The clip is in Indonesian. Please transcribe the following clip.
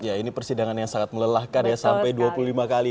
ya ini persidangan yang sangat melelahkan ya sampai dua puluh lima kali